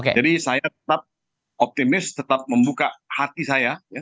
jadi saya tetap optimis tetap membuka hati saya